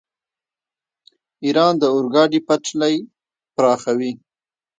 ایران د اورګاډي پټلۍ پراخوي.